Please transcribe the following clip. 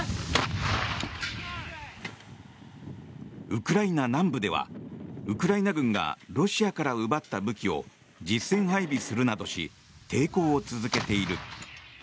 ウクライナ南部ではウクライナ軍がロシアから奪った武器を実戦配備するなどし抵抗を続けている。